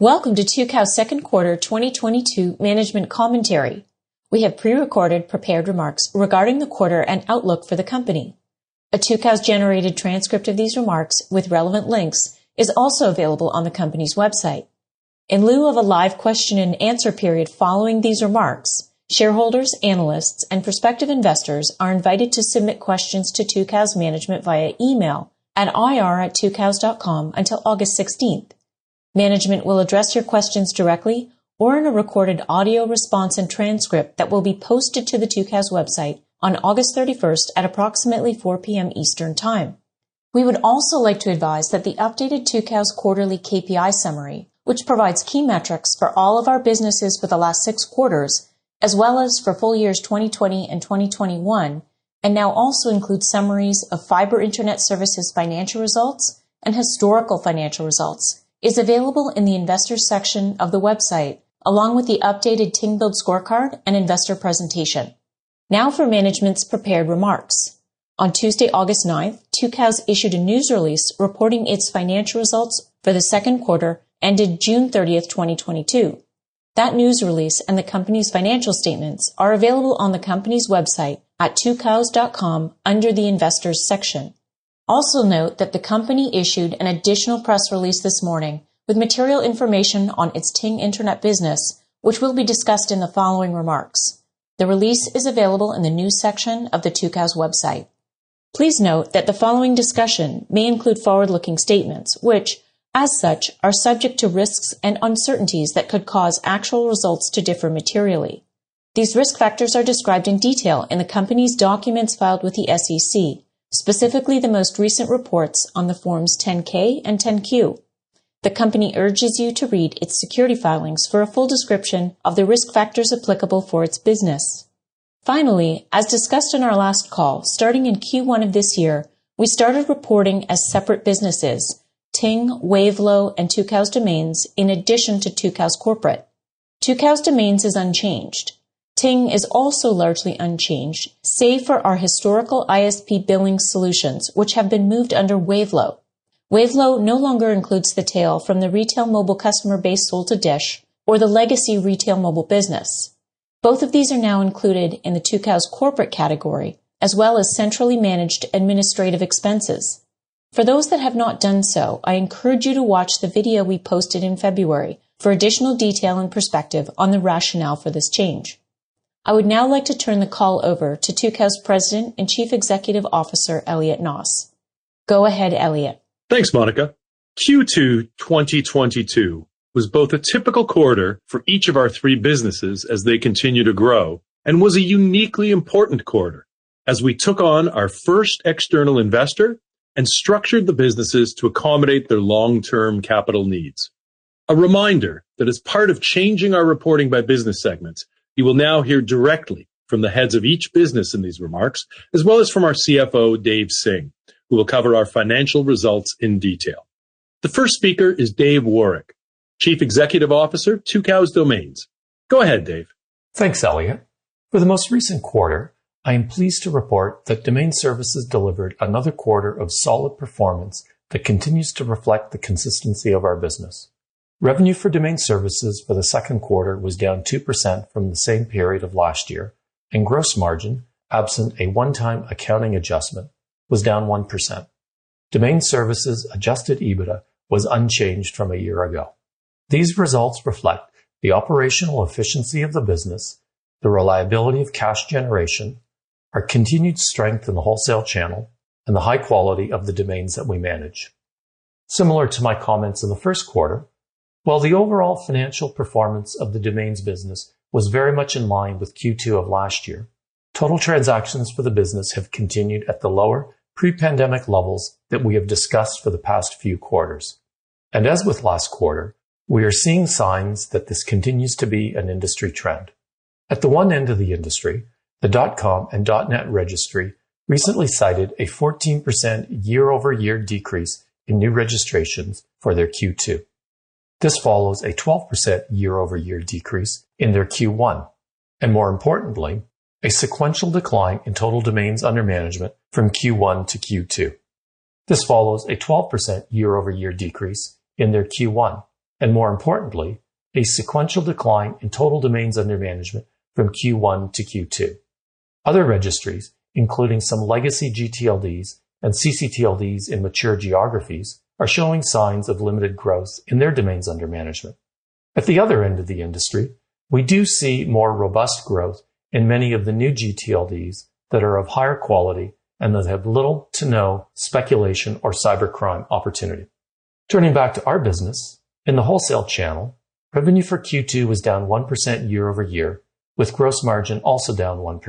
Welcome to Tucows' second quarter 2022 management commentary. We have pre-recorded prepared remarks regarding the quarter and outlook for the company. A Tucows-generated transcript of these remarks with relevant links is also available on the company's website. In lieu of a live question and answer period following these remarks, shareholders, analysts, and prospective investors are invited to submit questions to Tucows Management via email at ir@tucows.com until August 16. Management will address your questions directly or in a recorded audio response and transcript that will be posted to the Tucows website on August 31 at approximately 4 P.M. Eastern Time. We would also like to advise that the updated Tucows quarterly KPI summary, which provides key metrics for all of our businesses for the last six quarters, as well as for full years 2020 and 2021, and now also includes summaries of fiber internet services financial results and historical financial results, is available in the investors section of the website, along with the updated Ting Build Scorecard and investor presentation. Now for management's prepared remarks. On Tuesday, August 9, Tucows issued a news release reporting its financial results for the second quarter, ended June 30, 2022. That news release and the company's financial statements are available on the company's website at tucows.com under the investors section. Also note that the company issued an additional press release this morning with material information on its Ting Internet business, which will be discussed in the following remarks. The release is available in the new section of the Tucows website. Please note that the following discussion may include forward-looking statements, which, as such, are subject to risks and uncertainties that could cause actual results to differ materially. These risk factors are described in detail in the company's documents filed with the SEC, specifically the most recent reports on the forms 10-K and 10-Q. The company urges you to read its security filings for a full description of the risk factors applicable for its business. Finally, as discussed in our last call, starting in Q1 of this year, we started reporting as separate businesses, Ting, Wavelo, and Tucows Domains, in addition to Tucows Corporate. Tucows Domains is unchanged. Ting is also largely unchanged, save for our historical ISP billing solutions, which have been moved under Wavelo. Wavelo no longer includes the tail from the retail mobile customer base sold to DISH or the legacy retail mobile business. Both of these are now included in the Tucows corporate category, as well as centrally managed administrative expenses. For those that have not done so, I encourage you to watch the video we posted in February for additional detail and perspective on the rationale for this change. I would now like to turn the call over to Tucows President and Chief Executive Officer, Elliot Noss. Go ahead, Elliot. Thanks, Monica. Q2 2022 was both a typical quarter for each of our three businesses as they continue to grow and was a uniquely important quarter as we took on our first external investor and structured the businesses to accommodate their long-term capital needs. A reminder that as part of changing our reporting by business segments, you will now hear directly from the heads of each business in these remarks, as well as from our CFO, Dave Singh, who will cover our financial results in detail. The first speaker is David Woroch, Chief Executive Officer, Tucows Domains. Go ahead, Dave. Thanks, Elliot. For the most recent quarter, I am pleased to report that domain services delivered another quarter of solid performance that continues to reflect the consistency of our business. Revenue for domain services for the second quarter was down 2% from the same period of last year, and gross margin, absent a one-time accounting adjustment, was down 1%. Domain services adjusted EBITDA was unchanged from a year ago. These results reflect the operational efficiency of the business, the reliability of cash generation, our continued strength in the wholesale channel, and the high quality of the domains that we manage. Similar to my comments in the first quarter, while the overall financial performance of the domains business was very much in line with Q2 of last year, total transactions for the business have continued at the lower pre-pandemic levels that we have discussed for the past few quarters. As with last quarter, we are seeing signs that this continues to be an industry trend. At the one end of the industry, the .com and .net registry recently cited a 14% year-over-year decrease in new registrations for their Q2. This follows a 12% year-over-year decrease in their Q1, and more importantly, a sequential decline in total domains under management from Q1 to Q2. Other registries, including some legacy gTLDs and ccTLDs in mature geographies, are showing signs of limited growth in their domains under management. At the other end of the industry, we do see more robust growth in many of the new gTLDs that are of higher quality and that have little to no speculation or cybercrime opportunity. Turning back to our business, in the wholesale channel, revenue for Q2 was down 1% year-over-year, with gross margin also down 1%.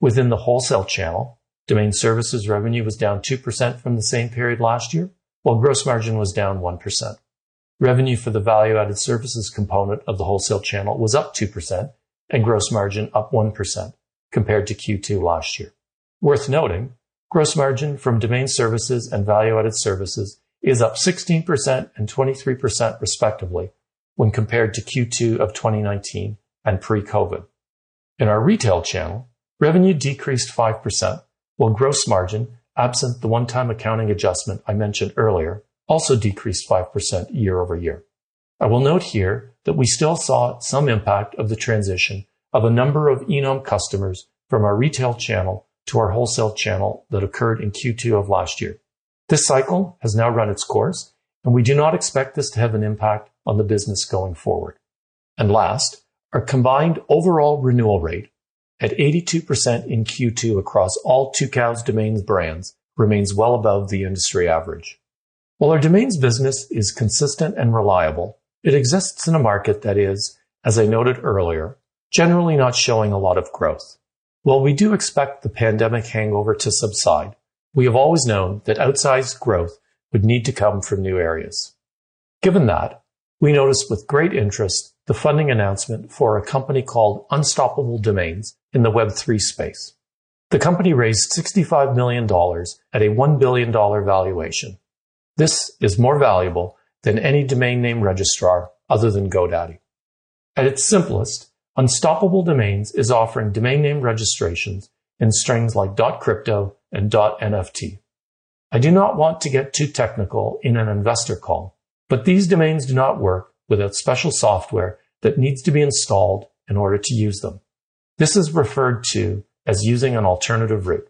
Within the wholesale channel, domain services revenue was down 2% from the same period last year, while gross margin was down 1%. Revenue for the value-added services component of the wholesale channel was up 2% and gross margin up 1% compared to Q2 last year. Worth noting, gross margin from domain services and value-added services is up 16% and 23% respectively when compared to Q2 of 2019 and pre-COVID. In our retail channel, revenue decreased 5%, while gross margin, absent the one-time accounting adjustment I mentioned earlier, also decreased 5% year-over-year. I will note here that we still saw some impact of the transition of a number of eNom customers from our retail channel to our wholesale channel that occurred in Q2 of last year. This cycle has now run its course, and we do not expect this to have an impact on the business going forward. Last, our combined overall renewal rate at 82% in Q2 across all Tucows Domains brands remains well above the industry average. While our Domains business is consistent and reliable, it exists in a market that is, as I noted earlier, generally not showing a lot of growth. While we do expect the pandemic hangover to subside, we have always known that outsized growth would need to come from new areas. Given that, we noticed with great interest the funding announcement for a company called Unstoppable Domains in the Web3 space. The company raised $65 million at a $1 billion valuation. This is more valuable than any domain name registrar other than GoDaddy. At its simplest, Unstoppable Domains is offering domain name registrations in strings like .crypto and .nft. I do not want to get too technical in an investor call, but these domains do not work without special software that needs to be installed in order to use them. This is referred to as using an alternative root.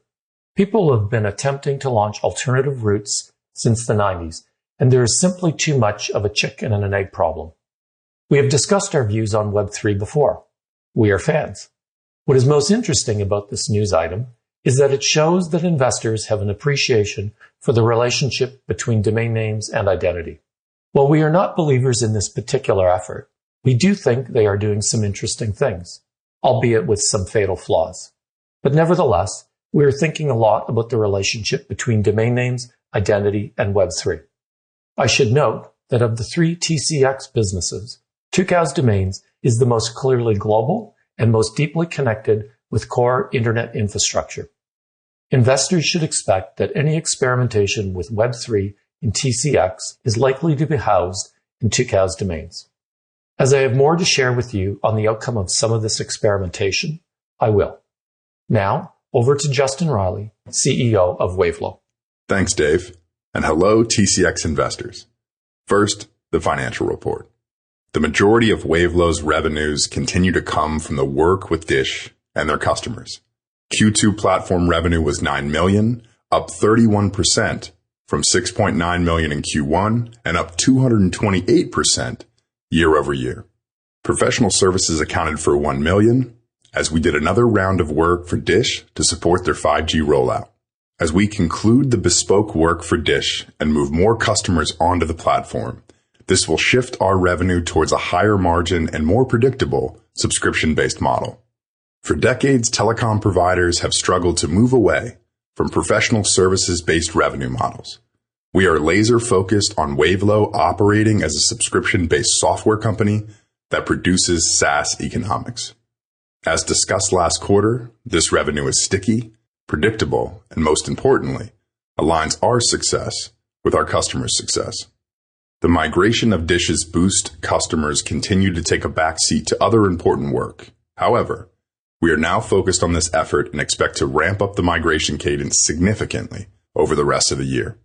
People have been attempting to launch alternative roots since the 1990s, and there is simply too much of a chicken and an egg problem. We have discussed our views on Web3 before. We are fans. What is most interesting about this news item is that it shows that investors have an appreciation for the relationship between domain names and identity. While we are not believers in this particular effort, we do think they are doing some interesting things, albeit with some fatal flaws. Nevertheless, we are thinking a lot about the relationship between domain names, identity, and Web3. I should note that of the three TCX businesses, Tucows Domains is the most clearly global and most deeply connected with core internet infrastructure. Investors should expect that any experimentation with Web3 in TCX is likely to be housed in Tucows Domains. As I have more to share with you on the outcome of some of this experimentation, I will. Now over to Justin Reilly, CEO of Wavelo. Thanks, Dave, and hello, TCX investors. First, the financial report. The majority of Wavelo's revenues continue to come from the work with DISH and their customers. Q2 platform revenue was $9 million, up 31% from $6.9 million in Q1 and up 228% year-over-year. Professional services accounted for $1 million as we did another round of work for DISH to support their 5G rollout. As we conclude the bespoke work for DISH and move more customers onto the platform, this will shift our revenue towards a higher margin and more predictable subscription-based model. For decades, telecom providers have struggled to move away from professional services-based revenue models. We are laser-focused on Wavelo operating as a subscription-based software company that produces SaaS economics. As discussed last quarter, this revenue is sticky, predictable, and most importantly, aligns our success with our customers' success. The migration of DISH's Boost customers continue to take a back seat to other important work. However, we are now focused on this effort and expect to ramp up the migration cadence significantly over the rest of the year.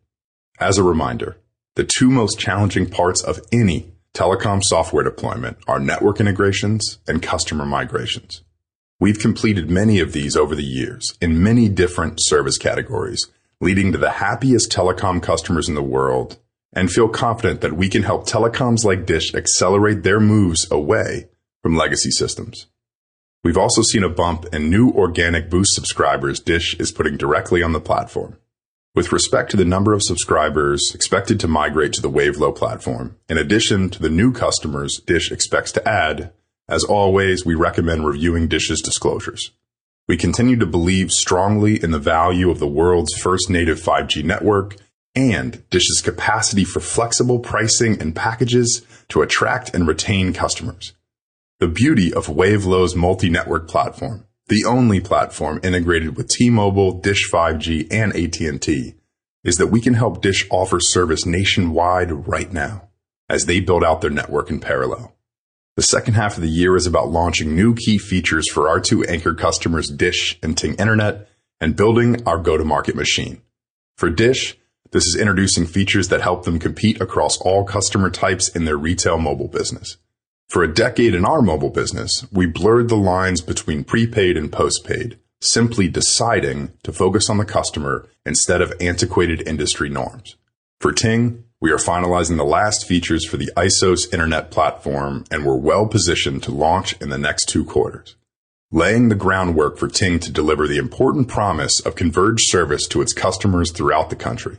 As a reminder, the two most challenging parts of any telecom software deployment are network integrations and customer migrations. We've completed many of these over the years in many different service categories, leading to the happiest telecom customers in the world and feel confident that we can help telecoms like DISH accelerate their moves away from legacy systems. We've also seen a bump in new organic Boost subscribers DISH is putting directly on the platform. With respect to the number of subscribers expected to migrate to the Wavelo platform, in addition to the new customers DISH expects to add, as always, we recommend reviewing DISH's disclosures. We continue to believe strongly in the value of the world's first native 5G network and DISH's capacity for flexible pricing and packages to attract and retain customers. The beauty of Wavelo's multi-network platform, the only platform integrated with T-Mobile, DISH 5G, and AT&T, is that we can help DISH offer service nationwide right now as they build out their network in parallel. The second half of the year is about launching new key features for our two anchor customers, DISH and Ting Internet, and building our go-to-market machine. For DISH, this is introducing features that help them compete across all customer types in their retail mobile business. For a decade in our mobile business, we blurred the lines between prepaid and postpaid, simply deciding to focus on the customer instead of antiquated industry norms. For Ting, we are finalizing the last features for the ISOS internet platform, and we're well-positioned to launch in the next two quarters, laying the groundwork for Ting to deliver the important promise of converged service to its customers throughout the country.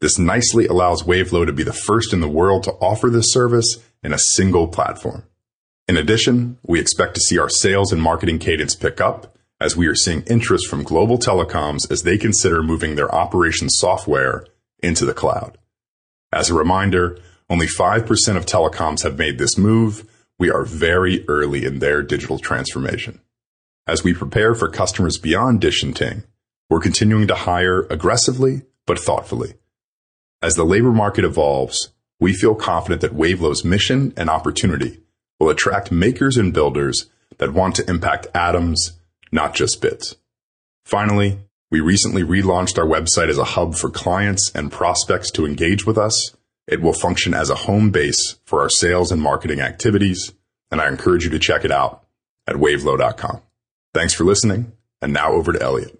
This nicely allows Wavelo to be the first in the world to offer this service in a single platform. In addition, we expect to see our sales and marketing cadence pick up as we are seeing interest from global telecoms as they consider moving their operations software into the cloud. As a reminder, only 5% of telecoms have made this move. We are very early in their digital transformation. As we prepare for customers beyond DISH and Ting, we're continuing to hire aggressively but thoughtfully. As the labor market evolves, we feel confident that Wavelo's mission and opportunity will attract makers and builders that want to impact atoms, not just bits. Finally, we recently relaunched our website as a hub for clients and prospects to engage with us. It will function as a home base for our sales and marketing activities, and I encourage you to check it out at wavelo.com. Thanks for listening, and now over to Elliot.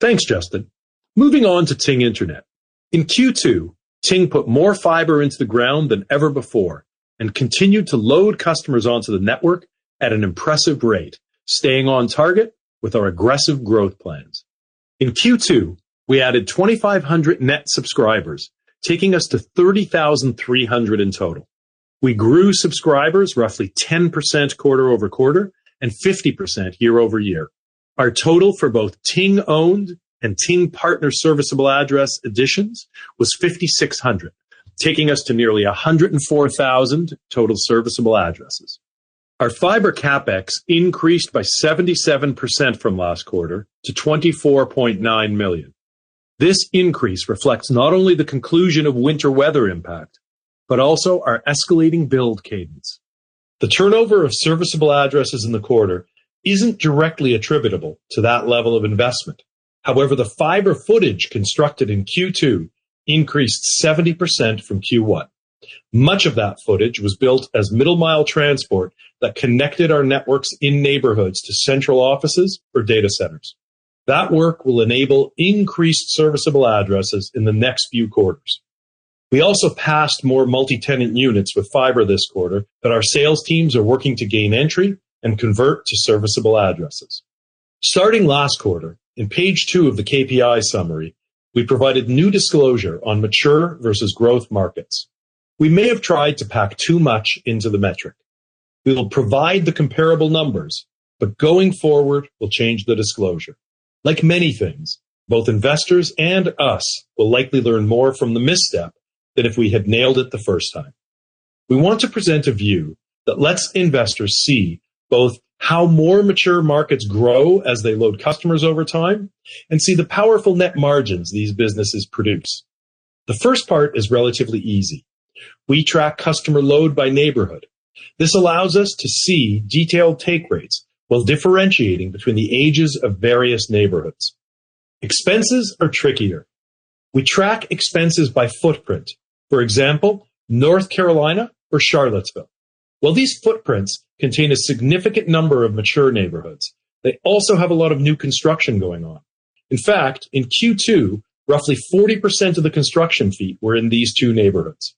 Thanks, Justin. Moving on to Ting Internet. In Q2, Ting put more fiber into the ground than ever before and continued to load customers onto the network at an impressive rate, staying on target with our aggressive growth plans. In Q2, we added 2,500 net subscribers, taking us to 30,300 in total. We grew subscribers roughly 10% quarter-over-quarter and 50% year-over-year. Our total for both Ting-owned and Ting partner serviceable address additions was 5,600, taking us to nearly 104,000 total serviceable addresses. Our fiber CapEx increased by 77% from last quarter to $24.9 million. This increase reflects not only the conclusion of winter weather impact, but also our escalating build cadence. The turnover of serviceable addresses in the quarter isn't directly attributable to that level of investment. However, the fiber footage constructed in Q2 increased 70% from Q1. Much of that footage was built as middle mile transport that connected our networks in neighborhoods to central offices or data centers. That work will enable increased serviceable addresses in the next few quarters. We also passed more multi-tenant units with fiber this quarter that our sales teams are working to gain entry and convert to serviceable addresses. Starting last quarter, in page two of the KPI summary, we provided new disclosure on mature versus growth markets. We may have tried to pack too much into the metric. We will provide the comparable numbers, but going forward, we'll change the disclosure. Like many things, both investors and us will likely learn more from the misstep than if we had nailed it the first time. We want to present a view that lets investors see both how more mature markets grow as they load customers over time and see the powerful net margins these businesses produce. The first part is relatively easy. We track customer load by neighborhood. This allows us to see detailed take rates while differentiating between the ages of various neighborhoods. Expenses are trickier. We track expenses by footprint. For example, North Carolina or Charlottesville. While these footprints contain a significant number of mature neighborhoods, they also have a lot of new construction going on. In fact, in Q2, roughly 40% of the construction feet were in these two neighborhoods.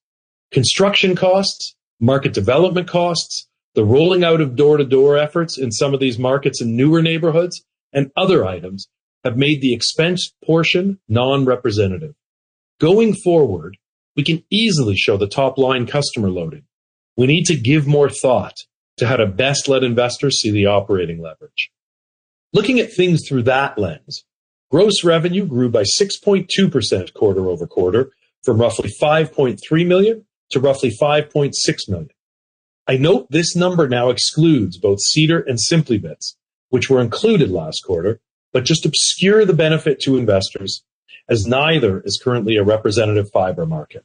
Construction costs, market development costs, the rolling out of door-to-door efforts in some of these markets in newer neighborhoods and other items have made the expense portion non-representative. Going forward, we can easily show the top-line customer loading. We need to give more thought to how to best let investors see the operating leverage. Looking at things through that lens, gross revenue grew by 6.2% quarter-over-quarter from roughly $5.3 million to roughly $5.6 million. I note this number now excludes both Cedar and Simply Bits, which were included last quarter, but just obscure the benefit to investors as neither is currently a representative fiber market.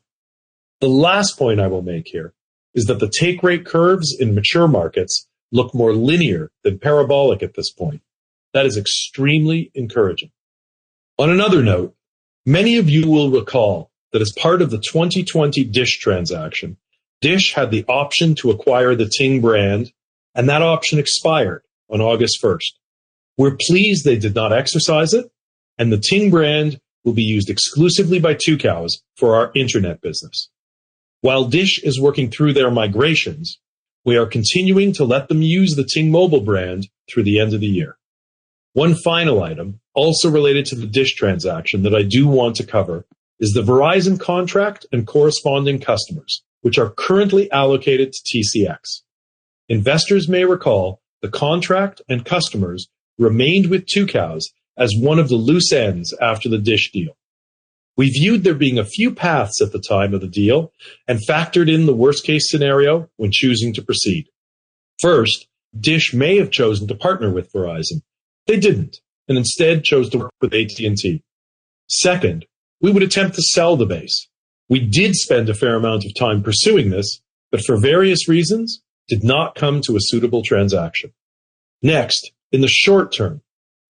The last point I will make here is that the take rate curves in mature markets look more linear than parabolic at this point. That is extremely encouraging. On another note, many of you will recall that as part of the 2020 DISH transaction, DISH had the option to acquire the Ting brand, and that option expired on August first. We're pleased they did not exercise it, and the Ting brand will be used exclusively by Tucows for our internet business. While DISH is working through their migrations, we are continuing to let them use the Ting Mobile brand through the end of the year. One final item also related to the DISH transaction that I do want to cover is the Verizon contract and corresponding customers, which are currently allocated to TCX. Investors may recall the contract and customers remained with Tucows as one of the loose ends after the DISH deal. We viewed there being a few paths at the time of the deal and factored in the worst case scenario when choosing to proceed. First, DISH may have chosen to partner with Verizon. They didn't, and instead chose to work with AT&T. Second, we would attempt to sell the base. We did spend a fair amount of time pursuing this, but for various reasons did not come to a suitable transaction. Next, in the short term,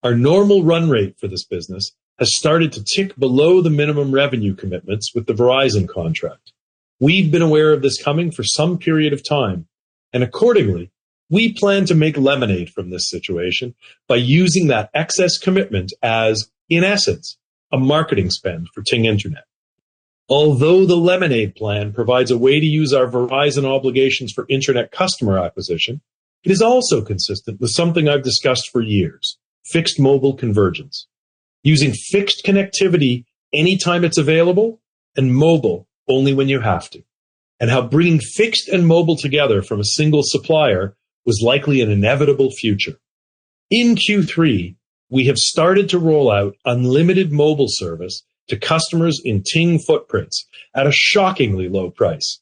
our normal run rate for this business has started to tick below the minimum revenue commitments with the Verizon contract. We've been aware of this coming for some period of time, and accordingly, we plan to make lemonade from this situation by using that excess commitment as, in essence, a marketing spend for Ting Internet. Although the lemonade plan provides a way to use our Verizon obligations for internet customer acquisition, it is also consistent with something I've discussed for years, fixed mobile convergence. Using fixed connectivity anytime it's available and mobile only when you have to, and how bringing fixed and mobile together from a single supplier was likely an inevitable future. In Q3, we have started to roll out unlimited mobile service to customers in Ting footprints at a shockingly low price.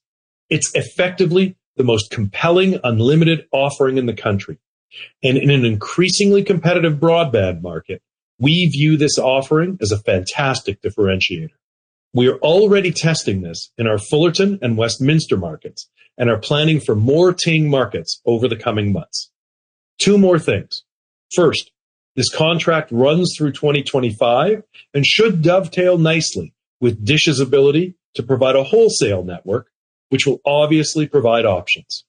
It's effectively the most compelling unlimited offering in the country. In an increasingly competitive broadband market, we view this offering as a fantastic differentiator. We are already testing this in our Fullerton and Westminster markets and are planning for more Ting markets over the coming months. Two more things. First, this contract runs through 2025 and should dovetail nicely with DISH's ability to provide a wholesale network, which will obviously provide options.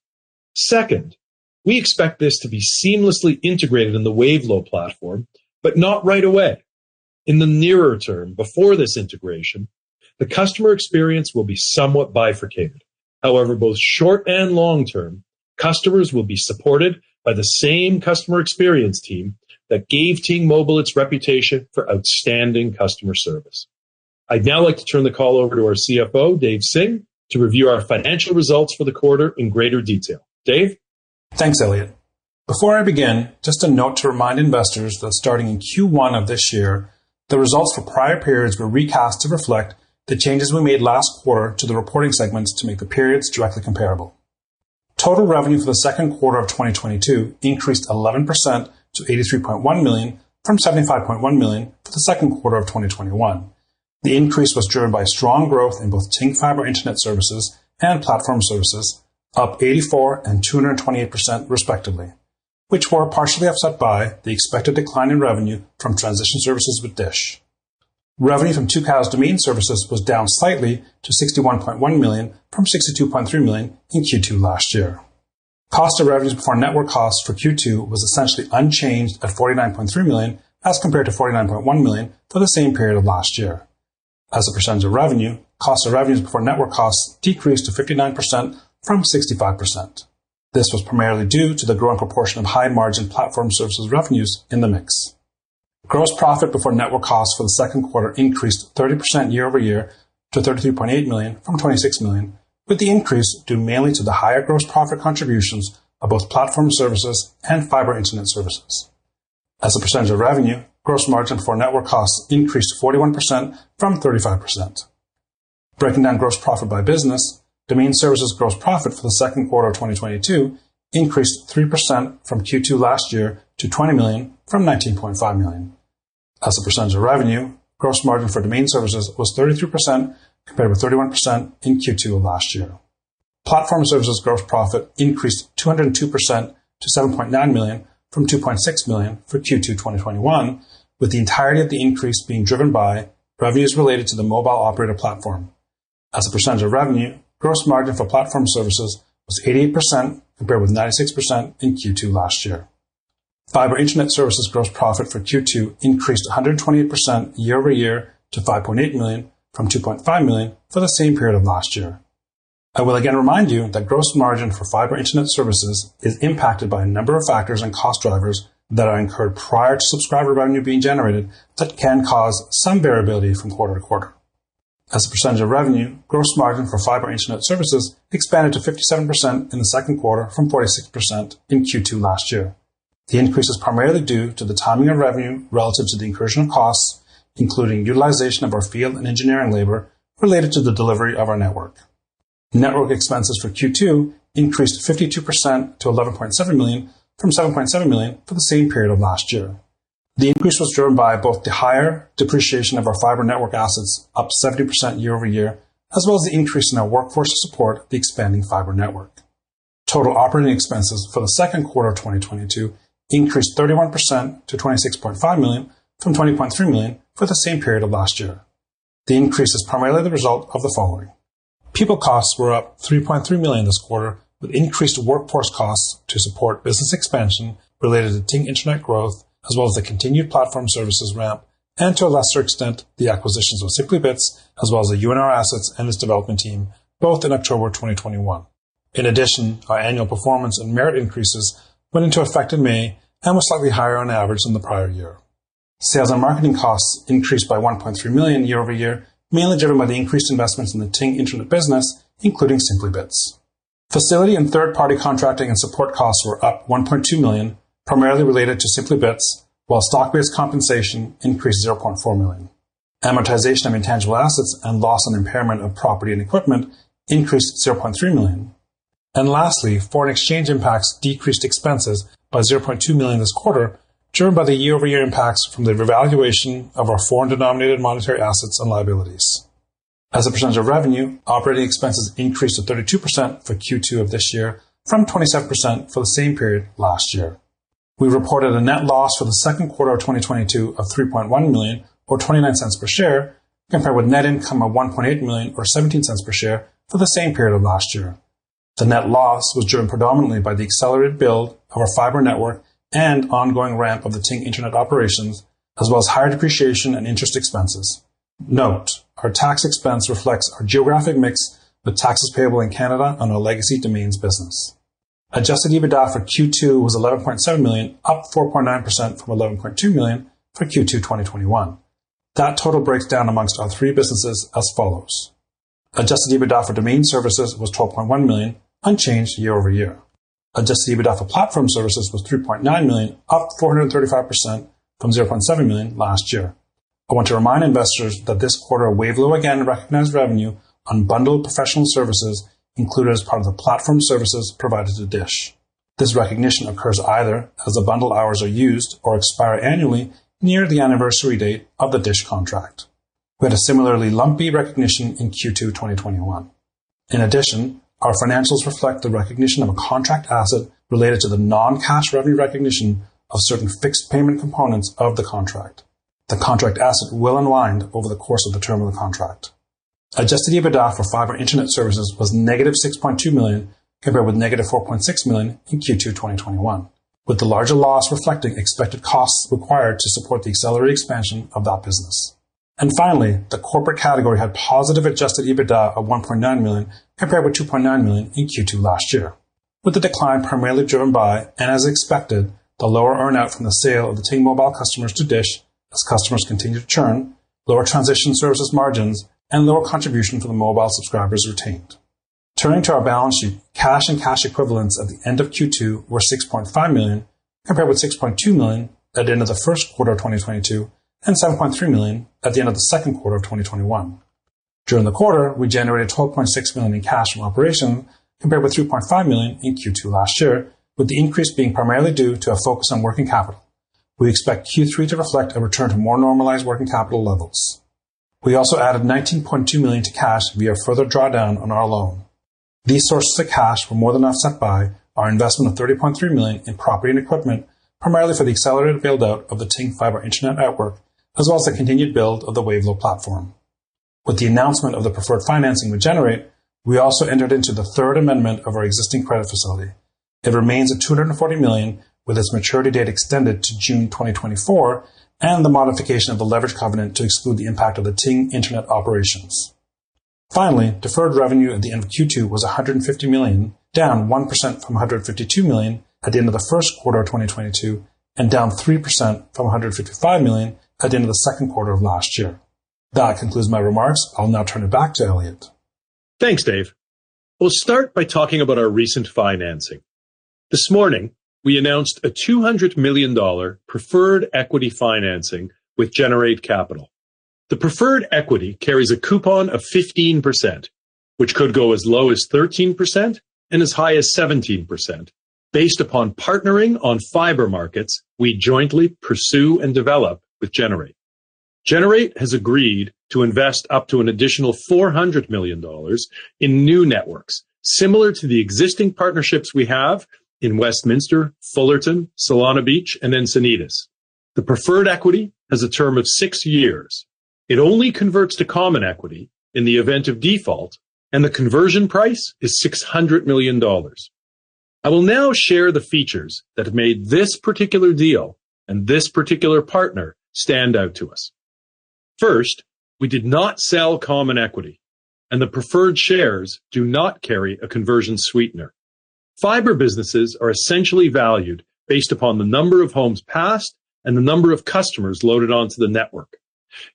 Second, we expect this to be seamlessly integrated in the Wavelo platform, but not right away. In the nearer term, before this integration, the customer experience will be somewhat bifurcated. However, both short and long-term, customers will be supported by the same customer experience team that gave Ting Mobile its reputation for outstanding customer service. I'd now like to turn the call over to our CFO, Dave Singh, to review our financial results for the quarter in greater detail. Dave? Thanks, Elliot. Before I begin, just a note to remind investors that starting in Q1 of this year, the results for prior periods were recast to reflect the changes we made last quarter to the reporting segments to make the periods directly comparable. Total revenue for the second quarter of 2022 increased 11% to $83.1 million from $75.1 million for the second quarter of 2021. The increase was driven by strong growth in both Ting fiber internet services and platform services, up 84% and 228% respectively, which were partially offset by the expected decline in revenue from transition services with DISH. Revenue from Tucows's domain services was down slightly to $61.1 million from $62.3 million in Q2 last year. Cost of revenues before network costs for Q2 was essentially unchanged at $49.3 million as compared to $49.1 million for the same period of last year. As a percentage of revenue, cost of revenues before network costs decreased to 59% from 65%. This was primarily due to the growing proportion of high-margin platform services revenues in the mix. Gross profit before network costs for the second quarter increased 30% year-over-year to $33.8 million from $26 million, with the increase due mainly to the higher gross profit contributions of both platform services and fiber internet services. As a percentage of revenue, gross margin for network costs increased 41% from 35%. Breaking down gross profit by business, domain services gross profit for the second quarter of 2022 increased 3% from Q2 last year to $20 million from $19.5 million. As a percentage of revenue, gross margin for domain services was 33% compared with 31% in Q2 of last year. Platform services gross profit increased 202% to $7.9 million from $2.6 million for Q2 2021, with the entirety of the increase being driven by revenues related to the mobile operator platform. As a percentage of revenue, gross margin for platform services was 80% compared with 96% in Q2 last year. Fiber internet services gross profit for Q2 increased 128% year-over-year to $5.8 million from $2.5 million for the same period of last year. I will again remind you that gross margin for fiber internet services is impacted by a number of factors and cost drivers that are incurred prior to subscriber revenue being generated that can cause some variability from quarter to quarter. As a percentage of revenue, gross margin for fiber internet services expanded to 57% in the second quarter from 46% in Q2 last year. The increase is primarily due to the timing of revenue relative to the incursion of costs, including utilization of our field and engineering labor related to the delivery of our network. Network expenses for Q2 increased 52% to $11.7 million from $7.7 million for the same period of last year. The increase was driven by both the higher depreciation of our fiber network assets, up 70% year-over-year, as well as the increase in our workforce to support the expanding fiber network. Total operating expenses for the second quarter of 2022 increased 31% to $26.5 million from $20.3 million for the same period of last year. The increase is primarily the result of the following. People costs were up $3.3 million this quarter, with increased workforce costs to support business expansion related to Ting Internet growth, as well as the continued platform services ramp, and to a lesser extent, the acquisitions of Simply Bits, as well as the UNR assets and its development team, both in October 2021. In addition, our annual performance and merit increases went into effect in May and were slightly higher on average than the prior year. Sales and marketing costs increased by $1.3 million year-over-year, mainly driven by the increased investments in the Ting Internet business, including Simply Bits. Facility and third-party contracting and support costs were up $1.2 million, primarily related to Simply Bits, while stock-based compensation increased $0.4 million. Amortization of intangible assets and loss on impairment of property and equipment increased $0.3 million. And lastly, foreign exchange impacts decreased expenses by $0.2 million this quarter, driven by the year-over-year impacts from the revaluation of our foreign denominated monetary assets and liabilities. As a percentage of revenue, operating expenses increased to 32% for Q2 of this year from 27% for the same period last year. We reported a net loss for the second quarter of 2022 of $3.1 million or $0.29 per share, compared with net income of $1.8 million or $0.17 per share for the same period of last year. The net loss was driven predominantly by the accelerated build of our fiber network and ongoing ramp of the Ting Internet operations, as well as higher depreciation and interest expenses. Note, our tax expense reflects our geographic mix with taxes payable in Canada on our legacy domains business. Adjusted EBITDA for Q2 was $11.7 million, up 4.9% from $11.2 million for Q2 2021. That total breaks down among our three businesses as follows. Adjusted EBITDA for domain services was $12.1 million, unchanged year-over-year. Adjusted EBITDA for platform services was $3.9 million, up 435% from $0.7 million last year. I want to remind investors that this quarter, Wavelo again recognized revenue on bundled professional services included as part of the platform services provided to DISH. This recognition occurs either as the bundled hours are used or expire annually near the anniversary date of the DISH contract. We had a similarly lumpy recognition in Q2 2021. In addition, our financials reflect the recognition of a contract asset related to the non-cash revenue recognition of certain fixed payment components of the contract. The contract asset will unwind over the course of the term of the contract. Adjusted EBITDA for fiber internet services was -$6.2 million, compared with -$4.6 million in Q2 2021, with the larger loss reflecting expected costs required to support the accelerated expansion of that business. Finally, the corporate category had positive adjusted EBITDA of $1.9 million, compared with $2.9 million in Q2 last year, with the decline primarily driven by, and as expected, the lower earn-out from the sale of the Ting Mobile customers to DISH as customers continue to churn, lower transition services margins, and lower contribution for the mobile subscribers retained. Turning to our balance sheet, cash and cash equivalents at the end of Q2 were $6.5 million, compared with $6.2 million at the end of the first quarter of 2022 and $7.3 million at the end of the second quarter of 2021. During the quarter, we generated $12.6 million in cash from operations, compared with $3.5 million in Q2 last year, with the increase being primarily due to a focus on working capital. We expect Q3 to reflect a return to more normalized working capital levels. We also added $19.2 million to cash via further drawdown on our loan. These sources of cash were more than offset by our investment of $30.3 million in property and equipment, primarily for the accelerated build-out of the Ting fiber internet network, as well as the continued build of the Wavelo platform. With the announcement of the preferred financing with Generate Capital, we also entered into the third amendment of our existing credit facility. It remains at $240 million, with its maturity date extended to June 2024, and the modification of the leverage covenant to exclude the impact of the Ting Internet operations. Finally, deferred revenue at the end of Q2 was $150 million, down 1% from $152 million at the end of the first quarter of 2022 and down 3% from $155 million at the end of the second quarter of last year. That concludes my remarks. I'll now turn it back to Elliot. Thanks, Dave. We'll start by talking about our recent financing. This morning, we announced a $200 million preferred equity financing with Generate Capital. The preferred equity carries a coupon of 15%, which could go as low as 13% and as high as 17% based upon partnering on fiber markets we jointly pursue and develop with Generate. Generate has agreed to invest up to an additional $400 million in new networks, similar to the existing partnerships we have in Westminster, Fullerton, Solana Beach, and Encinitas. The preferred equity has a term of six years. It only converts to common equity in the event of default, and the conversion price is $600 million. I will now share the features that made this particular deal and this particular partner stand out to us. First, we did not sell common equity, and the preferred shares do not carry a conversion sweetener. Fiber businesses are essentially valued based upon the number of homes passed and the number of customers loaded onto the network.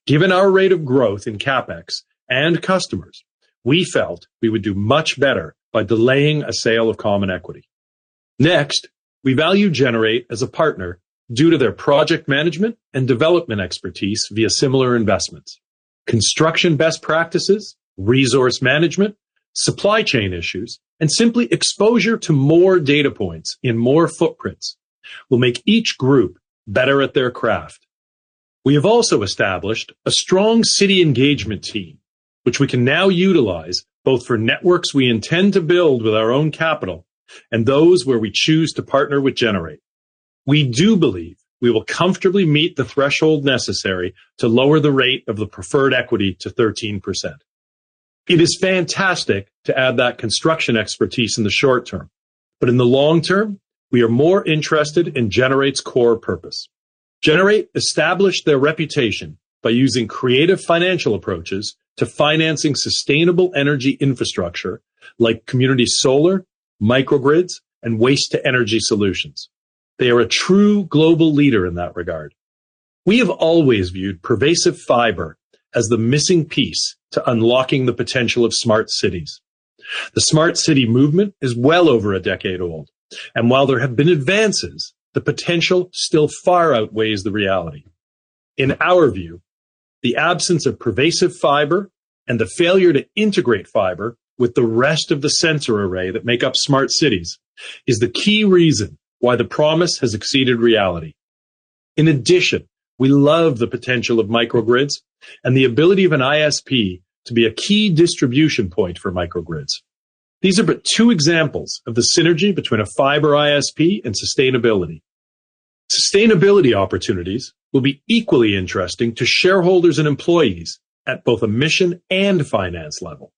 Given our rate of growth in CapEx and customers, we felt we would do much better by delaying a sale of common equity. Next, we value Generate Capital as a partner due to their project management and development expertise via similar investments. Construction best practices, resource management, supply chain issues, and simply exposure to more data points in more footprints will make each group better at their craft. We have also established a strong city engagement team, which we can now utilize both for networks we intend to build with our own capital and those where we choose to partner with Generate Capital. We do believe we will comfortably meet the threshold necessary to lower the rate of the preferred equity to 13%. It is fantastic to add that construction expertise in the short term, but in the long term, we are more interested in Generate Capital's core purpose. Generate Capital established their reputation by using creative financial approaches to financing sustainable energy infrastructure like community solar, microgrids, and waste-to-energy solutions. They are a true global leader in that regard. We have always viewed pervasive fiber as the missing piece to unlocking the potential of smart cities. The smart city movement is well over a decade old, and while there have been advances, the potential still far outweighs the reality. In our view, the absence of pervasive fiber and the failure to integrate fiber with the rest of the sensor array that make up smart cities is the key reason why the promise has exceeded reality. In addition, we love the potential of microgrids and the ability of an ISP to be a key distribution point for microgrids. These are but two examples of the synergy between a fiber ISP and sustainability. Sustainability opportunities will be equally interesting to shareholders and employees at both a mission and finance level.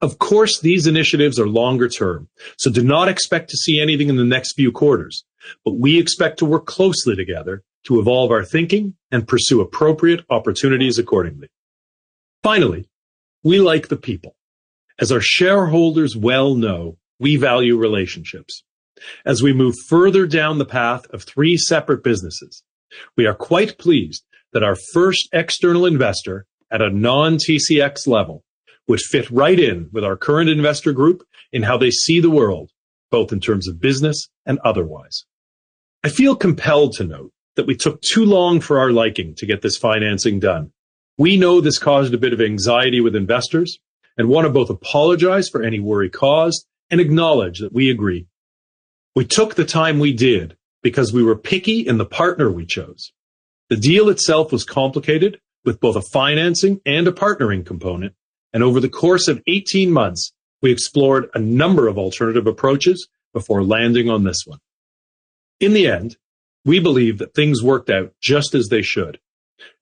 Of course, these initiatives are longer term, so do not expect to see anything in the next few quarters. But we expect to work closely together to evolve our thinking and pursue appropriate opportunities accordingly. Finally, we like the people. As our shareholders well know, we value relationships. As we move further down the path of three separate businesses, we are quite pleased that our first external investor at a non-TCX level would fit right in with our current investor group in how they see the world, both in terms of business and otherwise. I feel compelled to note that we took too long for our liking to get this financing done. We know this caused a bit of anxiety with investors and want to both apologize for any worry caused and acknowledge that we agree. We took the time we did because we were picky in the partner we chose. The deal itself was complicated, with both a financing and a partnering component, and over the course of 18 months, we explored a number of alternative approaches before landing on this one. In the end, we believe that things worked out just as they should,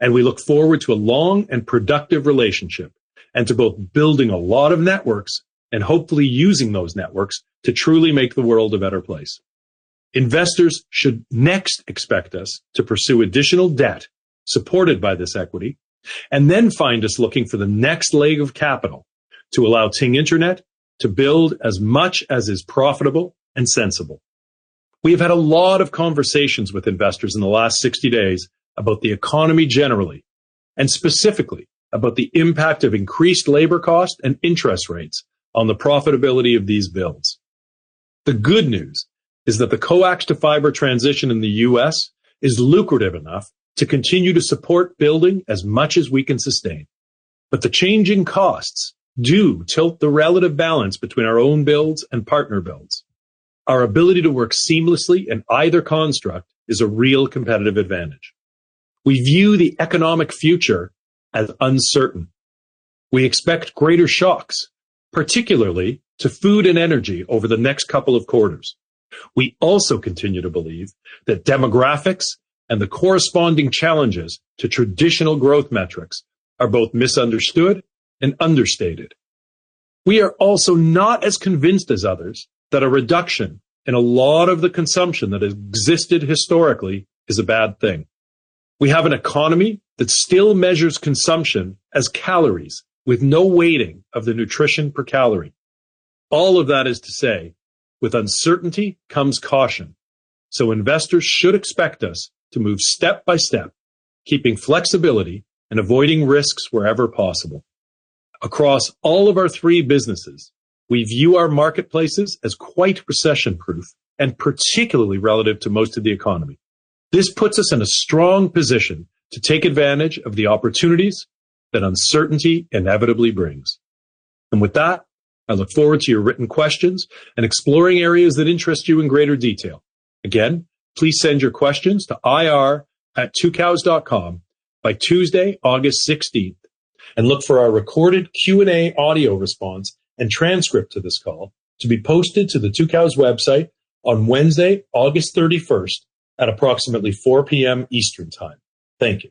and we look forward to a long and productive relationship and to both building a lot of networks and hopefully using those networks to truly make the world a better place. Investors should next expect us to pursue additional debt supported by this equity and then find us looking for the next leg of capital to allow Ting Internet to build as much as is profitable and sensible. We have had a lot of conversations with investors in the last 60 days about the economy generally, and specifically about the impact of increased labor cost and interest rates on the profitability of these builds. The good news is that the coax-to-fiber transition in the U.S. is lucrative enough to continue to support building as much as we can sustain. The changing costs do tilt the relative balance between our own builds and partner builds. Our ability to work seamlessly in either construct is a real competitive advantage. We view the economic future as uncertain. We expect greater shocks, particularly to food and energy, over the next couple of quarters. We also continue to believe that demographics and the corresponding challenges to traditional growth metrics are both misunderstood and understated. We are also not as convinced as others that a reduction in a lot of the consumption that has existed historically is a bad thing. We have an economy that still measures consumption as calories with no weighting of the nutrition per calorie. All of that is to say, with uncertainty comes caution, so investors should expect us to move step by step, keeping flexibility and avoiding risks wherever possible. Across all of our three businesses, we view our marketplaces as quite recession-proof and particularly relative to most of the economy. This puts us in a strong position to take advantage of the opportunities that uncertainty inevitably brings. With that, I look forward to your written questions and exploring areas that interest you in greater detail. Again, please send your questions to ir@tucows.com by Tuesday, August sixteenth, and look for our recorded Q&A audio response and transcript to this call to be posted to the Tucows website on Wednesday, August thirty-first at approximately 4 P.M. Eastern Time. Thank you.